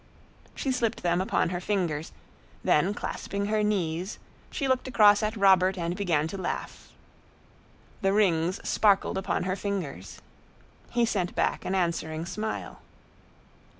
She slipped them upon her fingers; then clasping her knees, she looked across at Robert and began to laugh. The rings sparkled upon her fingers. He sent back an answering smile.